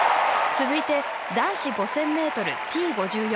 続いて男子５０００ｍ、Ｔ５４